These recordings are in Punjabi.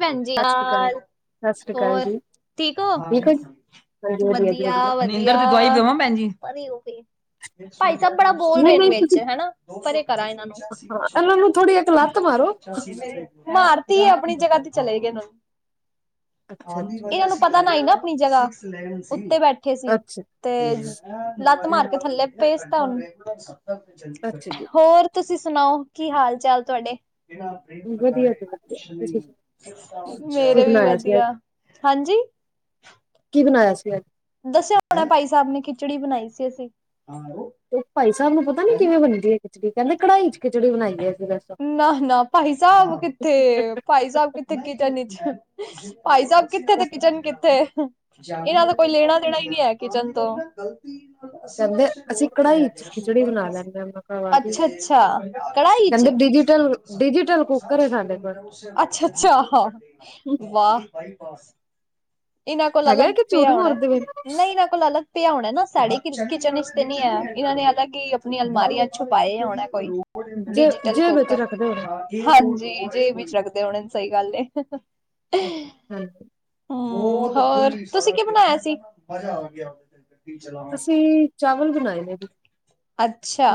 ਭੈਣਜੀ ਸਤਿ ਸ਼੍ਰੀ ਅਕਾਲ, ਸਤਿ ਸ਼੍ਰੀ ਅਕਾਲ ਹੋਰ ਜੀ, ਠੀਕ ਹੋ, ਵਧੀਆ ਵਧੀਆ । ਪਾਈ ਸਭ ਬੜਾ ਬੋਲ ਨਹੀਂ ਰਹੇ ਨੇ ਨਹੀਂ ਵਿੱਚ ਤੁਸੀਂ ਹਨਾ ਪਰ ਇੱਕ ਕਰਾ ਇਹਨਾਂ ਹਾਂ ਇਹਨਾਂ ਨੂੰ ਥੋੜ੍ਹੀ ਇੱਕ ਲੱਤ ਮਾਰੋ, ਮ ਮਾਰਗ ਤ ਆਪਣੀ ਜਗ੍ਹਾ ਤੇ ਚਲੇ ਗਏ ਅੱਛਾ ਅੱਛਾ ਇਹਨਾਂ ਨੂੰ ਪਤਾ ਨਾ ਨਾ ਆਪ ਜਗਾ ਤੇ ਬੈਠੇ ਸੀ ਅੱਛਾ ਤੇ ਲੱਤ ਮਾਰ ਥੱਲੇ ਪੇਸ ਤਾਂ ਉਹਨੂੰ ਅੱਛਾ ਜੀ, ਹੋਰ ਤੁਸੀਂ ਸੁਣਾਓ ਕੀ ਹਾਲ ਚਾਲ ਤੁਹਾਡੇ। ਵਧੀਆ ਚ ਮੇਰੇ ਵੀ ਸੀ ਅੱਜ, ਵਧੀਆ ਹਾਂਜੀ ਕੀ ਬਣਾਇਆ ਸੀ ਆਜ? ਦੱਸਿਆ ਹੁਣਾ ਭਾਈ ਸਾਹਿਬ ਨੇ ਖਿਚੜੀ ਬਣਾਈ ਸੀ ਅਸੀ। ਤੇ ਭਾਈ ਸਾਹਿਬ ਨੂੰ ਪਤਾ ਨੀ, ਕਿਵੇਂ ਬਣਦੀ ਆ? ਕਹਿੰਦੇ ਕੜਾਈ ਚ ਖੀਚੜੀ ਬਣਾਈ ਦੀ ਆ। ਨਾ, ਨਾ ਭਾਈ ਸਾਹਿਬ ਕਿੱਥੇ, ਭਾਈ ਸਾਹਿਬ ਕਿੱਥੇ ਕੀਚਨ ਨਚ [unintelligible] ਭਾਈ ਸਾਹਿਬ ਕਿੱਥੇ, ਤੇ ਕਿਚਨ ਕਿੱਥੇ ਇਹਨਾਂ ਦਾ ਕੋਈ ਲੇਣਾ ਦੇਣਾ ਈ ਨੀ ਐ ਕਿਚਨ ਤੋਂ ਕਹਿੰਦੇ ਅਸੀਂ ਕੜਾਹੀ ਚ ਖਿਚੜੀ ਬਣਾ ਲੈਂਦੇ ਹਾਂ, ਮੈਂ ਕਿਹਾ ਵਾਹ [unintelligible] ਜੀ। ਅੱਛਾ, ਅੱਛਾ। ਕੜਾਈ ਚ ਕਹਿੰਦੇ ਡਿਜੀਟਲ ਡਿਜੀਟਲ ਕੁੱਕਰ ਹੈ ਸਾਡੇ ਕੋਲ, ਅੱਛਾ, ਅੱਛਾ, ਵਾਹ! ਇਹਨਾਂ ਕੋਲ ਅਲੱਗ ਹੈਗਾ ਕਿ ਝੂਠ ਪਿਆ ਉਣਾ, ਮਾਰਦੇ ਪਏ? ਨਹੀਂ ਇਹਨਾਂ ਕੋਲ ਅਲੱਗ ਪਿਆਉਣਾ ਨਾ ਸਡੇ ਕਿਚਨ ਵਿਚ ਤੇ ਨੀ ਹੈ। ਇਹਨਾਂ ਨੇ ਅਲ ਕਿ ਆਪਣੀਆਂ ਅਲਮਾਰੀਆਂ ਛੁਪਾਏ ਹੋਣਾ ਜੇ ਡਿਜੀਟਲ ਜੇਬ ਵਿੱਚ ਕੂੱਕਰ ਰੱਖਦੇ ਹੋਣੇ, ਹਾਂਜੀ ਜੇ ਵਿੱਚ ਹੋਣੇ ਸਹੀ ਗੱਲ ਏ। ਹਾਂ ਜੀ। ਹਮ ਹੋਰ ਤੁਸੀਂ ਕੀ ਬਣਾਇਆ ਸੀ? ਅਸੀ ਚਾਵਲ ਬਨਾਏ ਨੇ ਵੀ ਅੱਛਾ!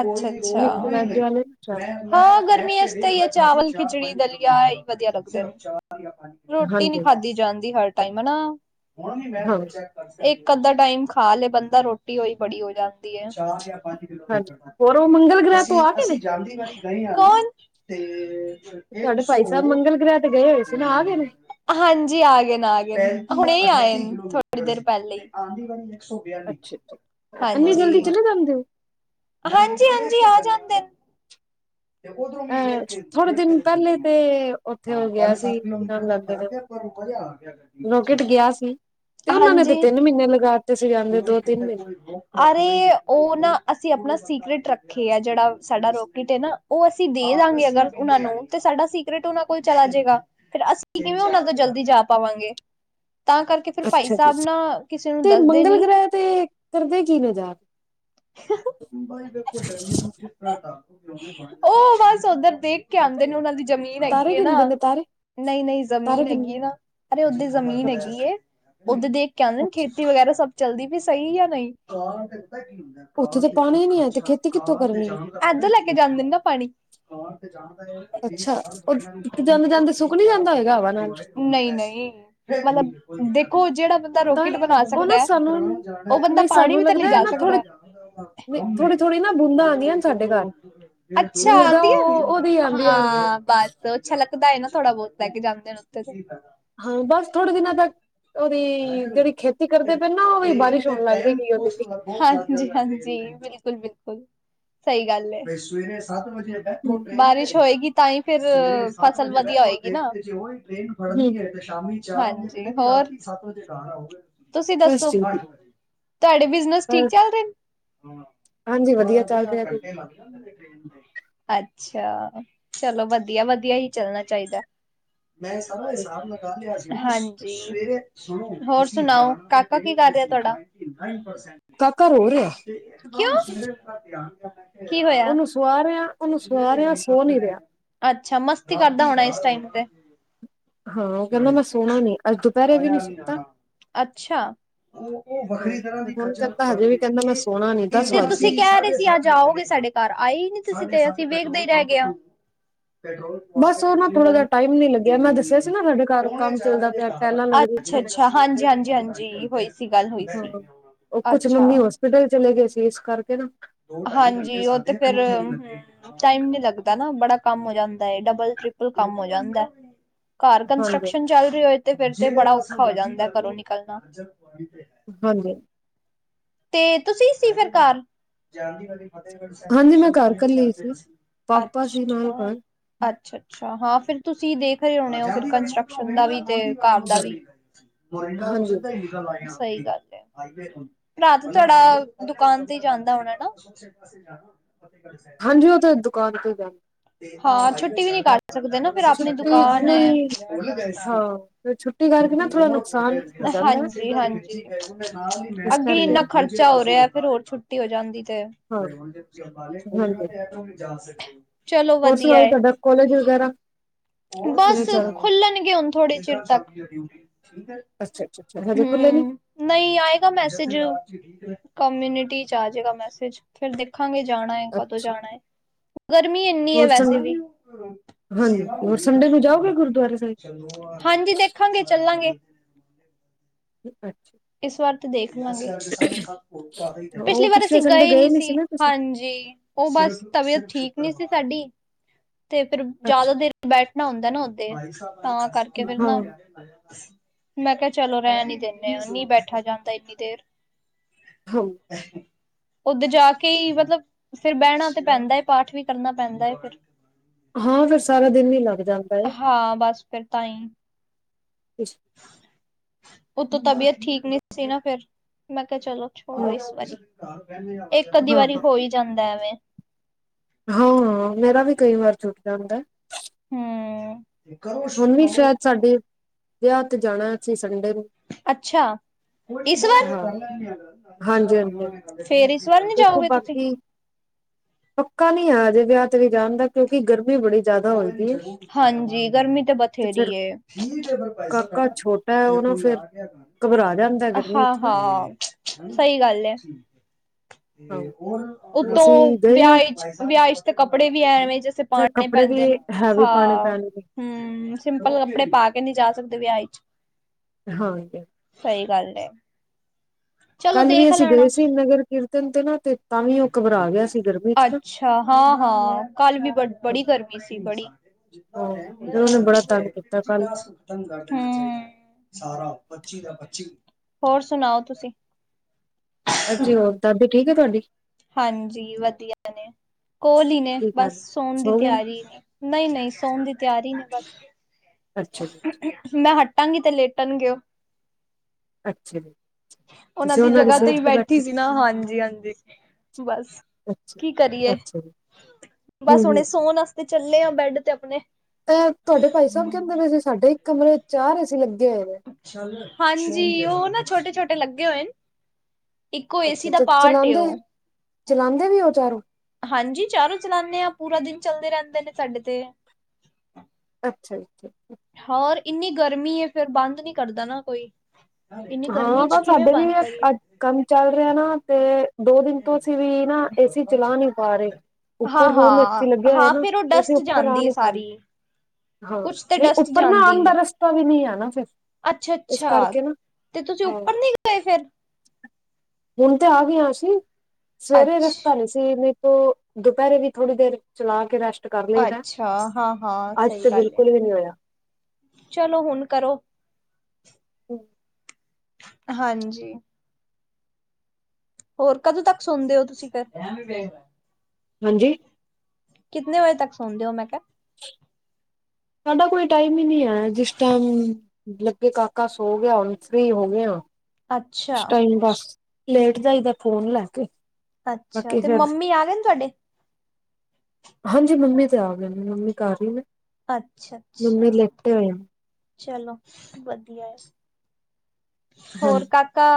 ਅੱਛਾ, ਅੱਛਾ ਮਿਕਸ ਵੈਜ ਵਾਲੇ ਚਾਵਲ ਹਾਂ ਗਰਮੀ ਚ ਤਾ ਏ ਆ। ਚਾਵਲ, ਖਿਚੜੀ, ਦਲੀਆ ਏ ਈ ਵਧੀਆ ਲੱਗਦਾ। ਰੋਟੀ ਨਈ ਹਾਂਜੀ ਖਾਧੀ ਜਾਂਦੀ ਹਰ ਟਾਈਮ ਨਾਂ ਹਾਂ [unintelligible] ਇੱਕ-ਅੱਧਾ ਟਾਈਮ ਖਾ ਲਏ ਬੰਦਾ ਰੋਟੀ ਓਈ। ਬੜੀ ਹੋ ਜਾ। ਦੀ ਏ। ਚਾਰ ਜਾਂ ਪੰਜ ਹਾਂਜੀ ਕਿਲੋਮੀਟਰ ਹੋਰ ਉਹ ਤ ਮੰਗਲ ਗ੍ਰਹਿ ਤੋਂ ਅਸੀਂ, ਆ ਗਏ ਨੇ ਅਸੀਂ ਜਾਂਦੀ ਰਹੇ ਆ। ਕੋਂਣ? ਤੇ ਤੁਹਾਡੇ ਭਾਈ ਸਾਹਿਬ ਮੰਗਲ ਗ੍ਰਹਿ ਤੇ ਗਏ ਹੋਏ ਸੀ [unintelligible] ਨਾ ਆ ਗਏ ਨੇ ਹਾਂਜੀ ਆ ਗਏ ਨ, ਆ ਗਏ ਨੇ। ਹੁਣੇ ਆਏ, ਥੋੜੀ ਦੇਰ ਪਹਿਲੇ ਈ। ਅੱਛਾ [inaudible] ਅੱਛਾ ਹਾਂਜੀ, ਇੰਨੀ ਜਲਦੀ ਚਲੇ ਜਾਂਦੇ ਹੋ ਹਾਂਜੀ, ਹਾਂਜੀ, ਆਗੇ ਜਾਂਦੇ [unintelligible] ਅਹ, ਥੋੜੇ ਦਿਨ ਪਹਿਲੇ ਤੇ ਉੱਥੇ ਉਹ ਗਿਆ ਸੀ ਕੀ ਨਾਮ ਲੈਂਦੇ ਨੇ, ਰੋਕੇਟ ਗਿਆ ਸੀ ਤੇ ਉਹਨਾਂ ਨੇ ਤੇ ਹਾਂਜੀ। ਤਿੰਨ ਮਹੀਨੇ ਲਗਾ। ਤੇ ਸੀ ਜਾਂਦੇ ਦੋ ਤਿੰਨ ਮਹੀਨੇ ਅਰੇ, ਉਹ ਨਾ ਅਸੀਂ ਆਪਣਾ ਸੀਕਰੇਟ ਰੱਖੇ ਆ। ਜਿਹੜਾ ਸਾਡਾ ਰੋਕੇਟ ਏ ਨਾ, ਉਹ ਅਸੀਂ ਦੇ ਦਾਂਗੇ ਅਗਰ ਉਹਨਾਂ ਨੂੰ, ਤੇ ਸਾਡਾ ਸੀਕਰੇਟ ਉਹਨਾਂ ਕੋਲ ਚਲਾ ਜੇਗਾ, ਫਿਰ ਅਸੀਂ ਕਿਵੇਂ ਉਹਨਾਂ ਤੋਂ ਜਲਦੀ ਜਾ ਪਾਵਾਂਗੇ। ਤਾਂ ਕਰਕੇ ਫਿਰ ਪਾਈ ਅੱਛਾ ਜੀ ਸਾਬ ਨਾ ਕਿਸੇ ਨੂੰ ਤੇ ਦੱਸ ਦੇ ਮੰਗਲ ਨੀ ਗ੍ਰਹਿ ਤੇ ਕਰਦੇ ਕੀ ਨੇ ਜਾ ਕੇ ਉਹ ਬਸ ਔਧਰ ਦੇਖ ਕੇ ਆਂਦੇ ਨੇ ਉਹਨਾਂ ਦੀ ਜ਼ਮੀਨ ਤਾਰੇ ਹੈਗੀ ਹੈ ਨਾ, ਗਿਣਦੇ ਨੇ ਤਾਰੇ ਨਹੀਂ-ਨਹੀਂ, ਤਾਰੇ ਜਮੀਨ ਹੈਗੀ ਗਿਣਦੇ ਹੈ ਨਾ, ਅਰੇ ਓਦੇ ਜ਼ਮੀਨ ਅੱਛਾ ਹੈਗੀ, ਓਦੇ ਦੇਖ ਕੇ ਆਂਦੇ ਨੇ ਅੱਛਾ ਖੇਤੀ ਵਗੈਰਾ ਚਲਦੀ ਵੀ ਸਹੀ ਜਾ ਨਹੀਂ? ਇੱਦੋ ਉੱਥੇ ਤਾਂ ਪਾਣੀ ਨੀ ਹੈ ਤੇ ਖੇਤੀ ਕਿੱਥੋਂ ਕਰਨੀ ਹੈ ਲੈ ਕੇ ਜਾਂਦੇ ਨੇ ਨਾ ਪਾਣੀ। ਹੋਰ ਤੇ ਜਾ ਅੱਛਾ ਉਹ ਜਾਂਦੇ ਜਾਂਦੇ ਸੁੱਕ ਨੀ ਜਾਂਦਾ ਹੋਏਗਾ ਹਵਾ ਨਾਲ ਨਹੀਂ-ਨਹੀਂ, ਮਤਲਬ ਦੇ ਉਹ ਜਿਹੜਾ ਬੰਦਾ ਤਾਂ ਹੀ ਰੋਕੀਟ ਬਣਾ ਉਹ ਸਕਦਾ ਨਾ ਸਾਨੂੰ ਉਹ ਬੰਦਾ ਨਹੀਂ ਪਾਣੀ ਸਾਨੂੰ ਵੀ ਤਾ ਲੈਂ ਲੱਗਦਾ ਹੈ ਜਾ ਨਾ ਥੋੜੇ ਸਕਦਾ, ਥੋੜੀ ਥੋੜੀ ਨਾ ਬੂੰਦਾਂ ਆਉਂਦੀਆਂ ਨੇ ਸਾਡੇ ਘਰ ਅੱਛਾ ਮੈਨੂੰ ਲੱਗਦਾ ਆਦੀ ਏ ਉਹ ਉਹਦੀ ਆਉਂਦੀਆਂ ਹੋਣੀਆਂ ਹਾਂ ਬਸ [unintelligible] ਨਾ ਥੋੜਾ ਬਹੁਤ ਲੈ ਕੇ ਜਾਂਦੇ ਨੇ ਉੱਥੇ ਤੇ। ਹਾਂ, ਬਸ ਥੋੜੇ ਦਿਨਾਂ ਤੱਕ ਉਹਦੀ ਹਾਂਜੀ-ਹਾਂਜੀ। ਜਿਹੜੀ ਖੇਤੀ ਕਰਦੇ ਪਏ ਨਾ ਉਹ ਵੀ ਬਾਰਿਸ਼ ਹੋਣ ਲੱਗ ਜਾਏਗੀ ਉਹਦੀ ਵੀ ਜੀ, ਬਿਲਕੁਲ-ਬਿਲਕੁਲ, ਸਹੀ ਗੱਲ ਏ। ਬਾਰਿਸ਼ ਹੋਏਗੀ ਤਾਂ ਹੀ ਫੇਰ ਫਸਲ ਵਧੀਆ ਹੋਏਗੀ ਨਾ [inaudible] ਹਾਂਜੀ ਹੂੰ ਹੋਰ, ਸੱਤ ਵਜੇ ਘਰ ਆਉਗੇ। ਤੁਸੀਂ ਬਸ ਦੱਸੋ ਠੀਕ ਤੁਹਾਡੇ ਬਿਜਨਸ ਠੀਕ ਚੱਲ ਰਹੇ ਨੇ? ਹਾਂ ਹਾਂਜੀ ਵਧੀਆ ਬਾਰਾ ਚੱਲ ਤੇਰਾ ਰਿਹਾ ਜੀ ਘੰਟੇ ਲੱਗ ਜਾਂਦੇ ਨੇ, ਅੱਛਾ, ਚਲੋ ਵਧੀਆ-ਵਧੀਆ ਹੀ ਚੱਲਣਾ ਚਾਹੀਦਾ। ਮੈਂ ਸਾਰਾ ਹਿਸਾਬ ਲਗਾ ਲਿਆ ਸੀ। ਹਾਂਜੀ, ਹੋਰ ਸੁਣਾਓ ਕਾਕਾ ਕੀ ਕਰ ਰਿਹਾ ਤੁਹਾਡਾ? ਕਾਕਾ ਰੋ ਰਿਹਾ ਕਿਓ? ਹਾਂ, ਕੀ ਹੋਇਆ ਉਹਨੂੰ ਸਵਾ ਰਿਹਾ ਉਹਨੂੰ ਸਵਾ ਰਿਹਾ ਸੋ ਨੀ ਰਿਹਾ ਅੱਛਾ ਮਸਤੀ ਕਰਦਾ ਹੋਣਾ ਇਸ ਟਾਈਮ, [unintelligible] ਹਾਂ ਉਹ ਕਹਿੰਦਾ ਮੈਂ ਸੋਨਾਂ ਨੀ ਅੱਜ ਦੁਪਹਿਰ ਅੱਛਾ [inaudible] ਹੁਣ ਤੱਕ ਤਾਂ ਹਜੇ ਵੀ ਕਹਿੰਦਾ ਮੈਂ ਸੋਣਾ ਨੀ ਦਸ ਵੱਜ ਗਏ। ਤੁਸੀਂ ਕਹਿ ਰਹੇ ਸੀ ਅੱਜ ਆਓਗੇ ਸਾਡੇ ਘਰ ਆਏ ਨ ਤੁਸੀਂ ਤੇ ਵੇਖਦੇ ਹੀ ਰਹਿ ਗਿਆ ਬਸ ਉਹ ਨਾ ਥੋੜਾ ਜਿਹਾ ਟਾਈਮ ਨੀ ਲੱਗਿਆ ਮੈਂ ਦੱਸਿਆ ਸੀ ਨਾ ਸਾਡੇ ਘਰ ਕੰਮ ਚੱਲਦਾ ਪਿਆ ਟਾਇਲਾਂ ਲੱਗਦੀਆਂ ਅੱਛਾ ਹਾਂਜੀ ਹਾਂਜੀ ਹਾਂਜੀ ਹੋਈ ਸੀ ਗੱਲ ਹੋਈ ਸੀ ਹਾਂ ਉਹ ਕੁਛ ਅੱਛਾ ਮੰਮੀ ਹੋਸਪਿਟਲ ਚਲੇ ਗਏ ਸੀ ਇਸ ਕਰਕੇ ਨਾ ਹਾਂਜੀ ਉਹ ਤੇ ਫਿਰ ਟਾਈਮ ਨੀ ਲੱਗਦਾ ਨਾ ਬੜਾ ਕੰਮ ਹੋ ਜਾਂਦਾ ਤੇ ਡਬਲ ਟ੍ਰਿਪਲ ਕੰਮ ਹੋ ਜਾਂਦੈ ਘਰ ਹਾਂਜੀ। ਕੰਸਟੱਰਕਸ਼ਨ ਚੱਲ ਰਹੀ ਹੋਏ ਤੇ ਫੇਰ ਤੇ ਬੜਾ ਔਖਾ ਹੋ ਜਾਂਦਾ ਘਰੋਂ ਨਿਕਲਣਾ ਹਾਂਜੀ ਤੇ ਤੁਸੀਂ ਸੀ ਫਿਰ ਘਰ ਹਾਂਜੀ ਮੈਂ ਘਰ [unintelligible] ਕੱਲੀ ਸੀ ਪਾਪਾ ਸੀ ਨਾਲ ਅੱਛਾ ਘਰ। ਅੱਛਾ ਅੱਛਾ ਹਾਂ ਫਿਰ ਤੁਸੀਂ ਦੇਖ ਰਹੇ ਹੋਣੇ ਹੋ ਫਿਰ ਕੰਸਟਰਕਸ਼ਨ ਦਾ ਵੀ ਤੇ ਘਰ ਦਾ ਵੀ ਮੋਰਿੰਡਾ ਤੋਂ ਹਾਂਜੀ ਸਿੱਧਾ ਹੀ ਨਿਕਲ ਆਏ ਆਂ ਸਹੀ ਗੱਲ ਏ ਭਰਾ ਤੇ ਤੁਹਾਡਾ ਦੁਕਾਨ ਤੇ ਹੀ ਜਾਂਦਾ ਹੋਣਾ ਨਾ ਹਾਂਜੀ ਉਹ ਤੇ ਦੁਕਾਨ ਤੇ ਹੀ ਜਾਦੇ ਹਾਂ ਛੁੱਟੀ ਵੀ ਨੀ ਕਰ ਸਕਦੇ ਨਾ ਫਿਰ ਆਪਣੀ ਦੁਕਾਨ ਏ ਨਹੀਂ ਹਾਂ ਫਿਰ ਛੁੱਟੀ ਕਰਕੇ ਨਾ ਥੋੜਾ ਨੁਕਸਾਨ ਹੋ ਜਾਂਦਾ ਹਾਂਜੀ ਹਾਂਜੀ ਇਸ [inaudible] ਕਰਕੇ ਇਨਾ ਨਾ। ਖਰਚਾ ਹੋ ਰਿਹਾ ਫਿਰ ਹੋਰ ਛੁੱਟੀ ਹੋ ਜਾਂਦੀ ਤੇ [inaudible] ਹਾਂ ਦ ਹਾਂਜੀ ਸਕ ਹੋਰ ਸੁਣਾਓ ਤੁਹਾਡਾ ਕੋਲੇਜ ਵਗੈਰਾ। [inaudible] ਬਸ ਕਿਵੇਂ ਚੱਲ ਖੁਲਣਗੇ ਹੁਣ ਥੋੜੇ ਚਿਰ ਤੱਕ ਅੱਛਾ ਅੱਛਾ ਅੱਛਾ ਹਜੇ ਖੁੱਲੇ ਨੀ ਹਮ ਨਹੀਂ ਆਏਗਾ ਮੈਸੇਜ। ਕਮਿਊਨਿਟੀ ਚ ਆ ਜਏਗਾ ਮੈਸੇਜ ਫਿਰ ਦੇਖ। ਕਲ ਜਾਣਾ ਹੈ। ਕਦੋਂ ਅੱਛਾ ਜਾਣਾ ਹੈ ਗਰਮੀ ਇੰਨੀ ਹੈ ਹੋਰ ਵੈਸੇ ਸੰਡੇ ਵੀ [unintelligible] ਹਾਂਜੀ ਹੋਰ ਸੰਡੇ ਨੂੰ ਜਾਓਗੇ ਗੁਰਦੁਆਰਾ ਹਾਂਜੀ। ਦੇਖਾਂਗੇ ਚੱਲਾਂਗੇ। ਅੱਛਾ। ਇਸ ਵਾਰਤ ਦੇਖ ਪਿਛਲੀ ਉਹ ਵਾਰ ਪਿਛਲੇ ਅਸੀਂ ਸੰਡੇ ਗਏ ਨਹੀ ਨੀ ਸੀ ਨਾ ਤੁਸੀਂ ਹਾਂਜੀ ਉਹ ਬਸ ਤਬੀਅਤ ਠੀਕ ਨੀ ਸੀ ਸਾਡੀ। ਤੇ ਫੇਿਰ ਜਿਆਦਾ ਅੱਛਾ ਦੇਰ ਬੈਠਣਾ ਹੁੰਦਾ ਨਾ ਓਦੇ ਤਾਂ ਕਰਕੇ ਫਿਰ ਹਾਂ ਨਾ ਮੈਂ ਕਿਹਾ ਚਲੋ ਰਹਿਣ ਈ ਦੇਨੇ ਆ। ਬੈਠਾ ਜਾਂਦਾ ਇੰਨੀ ਦੇਰ। ਹਾਂ [unintelligible] ਉੱਧਰ ਜਾ ਕੇ ਹੀ ਮਤਲਬ, ਫਿਰ ਬਹਿਣਾ ਤੇ ਪੈਂਦਾ ਹੈ। ਪਾਠ ਵੀ ਕਰਨਾ ਪੈਂਦਾ ਹੈ। ਫਿਰ ਹਾਂ, ਫਿਰ ਸਾਰਾ ਦਿਨ ਹੀ ਲੱਗ ਜਾਂਦਾ ਹੈ। ਹਾਂ ਬਸ ਫਿਰ ਤਾਂ ਈ। ਅਛ ਉਤੋਂ ਤਬੀਅਤ ਠੀਕ ਨਹੀਂ ਸੀ ਨਾ, ਫਿਰ ਮੈਂ ਕਿਹਾ, ਚਲੋ ਛੋੜੋ ਹਾਂ ਇਸ ਵਾਰੀ [unintelligible] ਇੱਕ ਅੱਧੀ ਹਾਂ ਵਾਰੀ ਹੋ ਈ ਜਾਂਦਾ [unintelligible] ਹਾਂ, ਮੇਰਾ ਵੀ ਕਈ ਵਾਰ ਟ ਜਾਂਦਾ। ਹਮ ਹੁਣ ਵੀ ਸ਼ਾਇਦ ਸਾਡੇ ਵਿਆਹ ਤੇ ਜਾਣਾ ਅਸੀਂ ਸੰਡੇ ਨੂੰ ਅੱਛਾ, ਇਸ ਵਾਰ, ਹਾਂ ਹਾਂਜੀ ਹਾਂਜੀ ਫੇਰ ਇਸ ਫੇਰ ਨਹੀਂ ਦੇਖੋ ਜਾਓਗੇ ਤੁਸੀਂ ਬਾਕੀ ਪੱਕਾ ਨਹੀਂ ਆ ਅਜੇ ਵਿਆਹ ਤੇ ਵੀ ਜਾਣ ਦਾ ਕਿਉਂਕਿ ਗਰਮ ਹਾਂਜੀ, ਗਰਮੀ ਤੇ ਬਥੇਰੀ ਹਾਂ- ਕਾਕਾ ਛੋਟਾ ਹੈ ਉਹ ਨਾ ਫਿਰ ਘਬਰਾ ਜਾਂਦਾ ਗਰਮੀ ਚ ਨਾ ਹਾਂ, ਸਹੀ ਗੱਲ ਆ। ਹਾਂ ਉੱਤੋਂ ਅਸੀਂ ਗਏ ਹਾਂ ਵਿਆਹ, ਵਿਆਹ ਚ ਤੇ ਕੱਪੜੇ ਵੀ ਐਵੇਂ ਜੈਸੇ ਸਰ ਪਾਣੇ ਕੱਪੜੇ ਵੀ ਪੈਂਦੇ ਨੇ, ਹੈਵੀ ਪਾਣੇ ਹਾਂ ਪੈਣਗੇ ਹਮ ਸਿੰਪਲ ਕੱਪੜੇ ਪਾ ਕੇ ਨਹੀਂ ਜਾ ਸਕਦੇ। ਵਿਆਹ ਚ ਹਾਂ ਜੀ। [unintelligible] ਚਲੋ ਕੱਲ ਵੀ ਦੇਖ ਅਸੀਂ ਗਏ ਲੈਣਾ ਸੀ ਨਗਰ ਕੀਰਤ ਨ ਤੇ ਤਾਂ ਵੀ ਉਹ ਘਬਰਾ ਗਿਆ ਸੀ ਗਰਮੀ ਚ ਨਾ ਅੱਛਾ, ਹਾਂ- ਹਾਂ ਕੱਲ ਵੀ ਬੜੀ ਗਰਮੀ ਸੀ ਬੜੀ ਹਾਂ ਫਿਰ ਉਹਨੇ ਬੜਾ ਤੰਗ ਕੀਤਾ ਪੱਚੀ ਕੱਲ ਦਾੱਚੀ, ਹੋਰ ਸੁਣਾਓ ਤੁਸੀਂ? ਅਸੀ ਹੋਰ ਸਭ ਠੀਕ ਤੁਹਾਡੀ ਹਾਂਜੀ ਵਧੀਆ ਨੇ ਕੋਲ ਹੀ ਨੇ ਕੀ ਕਰ ਬਸ ਰਹੇ ਸੋਣ ਦੀ ਸੋ ਗਏ ਤਿਆਰੀ ਨੇ ਨਹੀਂ ਨਹੀਂ ਸੋਣ ਦੀ ਤਿਆਰੀ ਨਹੀਂ ਬੱਸ ਅੱਛਾ ਜੀ ਮੈਂ ਹੱਟ ਟਾਂਗੀ ਤੇ ਲੇਟਣਗੇ ਉਹ ਅੱਛਾ ਜੀ ਉਹਨਾਂ ਦੀ ਜਗ੍ਹਾ ਤੇ ਹੀ ਬੈਠੀ ਸੀ ਨਾ ਹਾਂਜੀ ਹਾਂਜੀ ਬਸ ਅੱਛਾ ਕੀ ਕਰੀਏ ਅੱਛਾ ਜੀ ਬਸ ਹਮ ਹੁਣੇ ਸੋਣਸ ਤੇ ਚੱਲੇ ਆ ਬੈਡ ਤੇ ਆਪਣੇ ਤੇ ਤੁਹਾਡੇ ਭਾਈ ਸਾਹਿਬ ਕਹਿੰਦੇ ਪ ਜੇ ਸਾਡੇ ਕਮਰੇ ਚਾਰ ਐਸੀ ਲੱਗੇ ਜ ਹਾਂਜੀ ਉਹ ਨਾ ਛੋਟੇ ਛੋਟੇ ਲੱਗੇ ਹੋਏ ਨੇ ਇੱਕੋ ਏਸੀ ਦਾ ਅੱਛਾ ਪਾਰਟ ਚਲਾਉਂਦੇ ਉਹ ਚਲਾਉਂਦੇ ਵੀ ਉਹ ਚਾਰੋਂ ਹਾਂਜੀ ਚਾਰੋਂ ਚਲਾਉਦੇ ਹਾਂ ਪੂਰਾ ਦਿਨ ਚਲਦੇ ਰਹਿੰਦੇ ਨੇ ਸਾਡੇ ਤੇ ਅੱਛਾ ਜੀ ਹੋਰ ਇੰਨੀ ਗਰਮੀ ਹੈ ਫੇਿਰ ਬੰਦ ਨੀ ਕਰਦਾ ਨਾ ਕੋਈ ਇੰਨੀ ਹਾਂ ਗਰਮੀ ਚ ਪਰ ਕਿਵੇਂ ਸਾਡੇ ਵੀ ਬੰਦ ਕਰੀਏ ਕੰਮ ਚੱਲ ਰਿਹਾ ਨਾ ਤੇ ਦੋ ਦਿਨ ਤੋਂ ਅਸੀਂ ਵੀ ਨਾ ਏਸੀ ਚਲਾ ਨਹੀਂ ਪਾ ਰਹੇ ਉੱਪਰ ਹਾਂ ਰੂਮ ਹਾਂ ਏਸੀ ਲੱਗਿਆ ਹੋਇਆ ਹਾਂ ਨਾ ਫੇਰ ਉਹ ਤੇ ਅਸੀਂ ਡਸਟ ਉੱਪਰ ਆ ਜਾਂਦੀ ਹੈ ਨੀ ਪਾਦੇ ਸਾਰੀ ਹਾਂ ਕੁਛ ਤੇ ਨਹੀਂ ਡਸਟ ਉੱਪਰ ਨਾ ਜਾਂਦੀ ਆਉਣ ਦਾ ਹੈ ਰਸਤਾ ਵੀ ਨਹੀਂ ਆ ਨਾ ਫਿਰ ਅੱਛਾ ਇਸ ਅੱਛਾ ਕਰਕੇ ਨਾ ਤੇ ਤੁਸੀਂ ਹਾਂ ਉੱਪਰ ਨੀ ਗਏ ਫਿਰ ਹੁਣ ਤੇ ਆ ਗਏ ਅਸੀਂ ਸਵੇਰੇ ਅੱਛ ਰਸਤਾ ਨ ਸੀ ਨ ਦੁਪਹਿਰੇ ਵੀ ਥੋੜੀ ਦੇਰ ਚਲਾ ਕੇ ਰੈਸਟ ਕਰ ਲਈਦਾ ਅੱਛਾ, ਹਾਂ ਹਾਂ ਅੱਜ ਸਹੀ ਤੇ ਗੱਲ ਐ, ਬਿਲਕੁਲ ਵੀ ਨਹੀਂ ਹੋਇਆ ਚਲੋ ਹੁਣ ਕਰੋ। [inaudible] ਹਾਂਜੀ। ਹੋਰ ਕਦੋਂ ਤੱਕ ਸੌਂਦੇ ਹੋ, ਤੁਸੀਂ ਫੇਰ ਹਾਂਜੀ। ਕਿਤਨੇ ਵਜੇ ਤੱਕ ਸੌਂਦੇ ਹੋ, ਮੈਂ ਕਿਹਾ। ਸਾਡਾ ਕੋਈ ਟਾਈਮ ਹੀ ਨਹੀਂ ਏ। ਅ ਜਿਸ ਟਾਇਮ ਲੱਗੇ ਕਾਕਾ ਸੋ ਗਿਆ, ਹੁਣ ਫਰੀ ਹੋ ਗਏ ਆ ਕੁਛ ਅੱਛਾ-ਅੱਛਾ ਟਾਈਮ ਬਸ ਲੇਟ ਜਾਈਦਾ ਫੋਨ ਲੈ ਕੇ ਅੱਛਾ ਬਾਕੀ ਤੇ ਫਿਰ ਮੰਮੀ ਆ ਗਏ ਨੇ ਤੁਹਾਡੇ। ਹਾਂਜੀ, ਮੰਮੀ ਤੇ ਆ ਗਏ ਨੇ, ਮੰਮੀ ਘਰ ਹੀ ਨੇ। ਮੰਮੀ ਅੱਛਾ-ਅੱਛਾ। ਲੇਟੇ ਹੋਏ ਨੇ ਚਲੋ ਵਧੀਆ ਏ। ਹੋਰ ਹਾਂਜੀ ਕਾਕਾ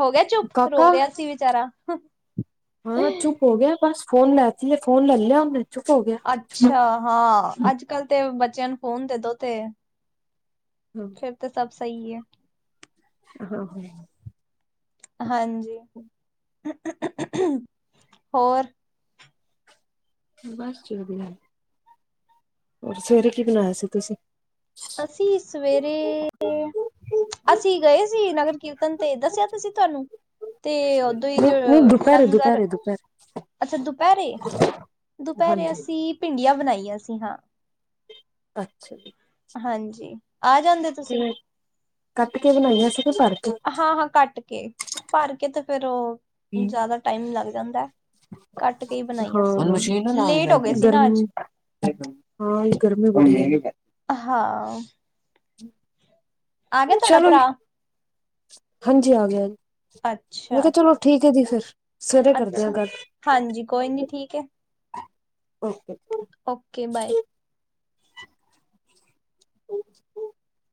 ਹੋ ਗਿਆ ਚੁੱਪ, ਰੋ ਕਾਕਾ ਰਿਹਾ ਸੀ ਵਿਚਾਰਾ। [unintelligible] ਹਾਂ, ਚੁੱਪ ਹੋ ਗਿਆ ਬਸ, ਫੋਨ ਲੈਤੀ ਐ ਫੋਨ ਲੈ ਲਿਆ ਉਹਨੇ। ਚੁੱਪ ਹੋ ਗਿਆ ਹਾਂ ਅੱਛਾ ਹਾਂ, ਅੱਜ ਕੱਲ ਤੇ ਬ ਬੱਚਿਆ ਨੂੰ ਫੋਨ ਦੇਦੋ ਤੇ ਹਾਂ ਫੇਰ ਤੇ ਸਭ ਸਹੀ ਆ। ਹਾਂ-ਹਾਂ। ਹਾਂਜੀ, ਹੋਰ ਬਸ ਚਲ ਰਿਹਾ ਏ। ਹੋਰ ਸਵੇਰੇ ਕੀ ਬਣਾਇਆ ਸੀ ਤੁਸੀਂ? ਅਸੀਂ ਸਵੇਰੇ, ਅਸੀਂ ਗਏ ਸੀ ਨਗਰ ਕੀਰਤਨ ਤੇ ਦੱਸਿਆ ਤੇਸੀ ਤੁਹਾਨੂੰ, ਤੇ ਉਦੋਂ ਹੀ ਨਹੀਂ ਜੋ ਨਹੀਂ ਦੁਪਹਿਰੇ ਲੰਗਰ, ਦੁਪਹਿਰੇ ਦੁਪਹਿਰੇ ਅੱਛਾ ਦੁਪਹਿਰੇ, ਦੁਪਹਿਰੇ ਹਾਂਜੀ ਅਸੀਂ ਭਿੰਡੀਆਂ ਬਣਾਈ ਆ ਸੀ ਹਾਂ। ਅੱਛਾ ਜੀ। ਹਾਂਜੀ। ਆ ਜਾਂਦੇ ਤੇ ਕੱਟ ਕੇ ਬਣਾਈਆਂ ਸੀ। ਕਿ ਭਰ ਕੇ ਹਾਂ-ਹਾਂ, ਕੱਟ ਕੇ, ਭਰ ਕੇ ਤੇ ਫੇਰ ਉਹ ਜ਼ਿਆਦਾ ਟਾਈਮ ਲੱਗ ਜਾਂਦਾ ਹੈ ਕੱਟ ਕੇ ਹੀ ਬਣਾਈਆਂ ਹਾਂ, ਸੀ ਲੇਟ ਹੋ ਗਏ ਸੀ ਨਾ ਅੱਜ ਗਰਮੀ ਹਾਂ ਗਰਮੀ ਬੜੀ ਹਾਂ। [unintelligible] ਆ ਗਿਆ ਤੁਹਾਡਾ ਚਲੋ ਜੀ ਭਰਾ ਹਾਂਜੀ ਆ ਗਿਆ ਜੀ ਮੈਂ ਅੱਛਾ ਕਿਹਾ ਚਲੋ ਠੀਕ। ਐ ਜੀ ਫਿਰ, ਸਵੇਰੇ ਕਰਦੇ ਆ ਅੱਛਾ, ਗੱਲ ਹਾਂਜੀ ਕੋਈ ਨੀ ਠੀਕ ਏ। Okay, bye [unintelligible]